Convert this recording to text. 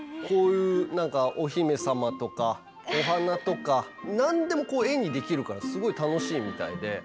こういうなんかお姫様とかお花とか何でもこう絵にできるからすごい楽しいみたいで。